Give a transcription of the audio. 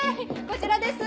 こちらです！